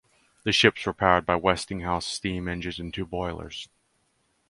The ships were powered by Westinghouse steam engines and two boilers.